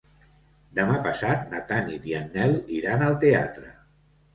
Demà passat na Tanit i en Nel iran al teatre.